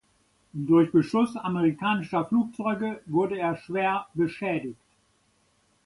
Durch Beschuss amerikanischer Flugzeuge wurde er schwer beschädigt.